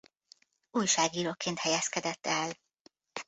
Újságíróként helyezkedett el.